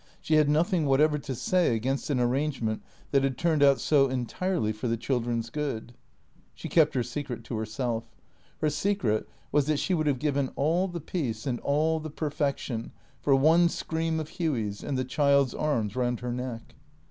She had nothing whatever to say against an arrangement that had turned out so entirely for the children's good. She kept her secret to herself. Her secret was that she would have given all the peace and all the perfection for one scream of Hughy's and the child's arms round her neck.